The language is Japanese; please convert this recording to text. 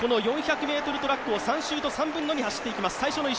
４００ｍトラックを３周と３分の２走って行きます。